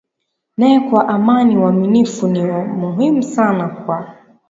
naye kwa amani Uaminifu ni wa muhimu sana kwa